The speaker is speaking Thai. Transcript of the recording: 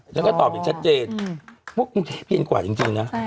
ฉันก็ตอบอย่างชัดเจนพวกกรุงเทพเย็นกว่าอย่างจริงนะ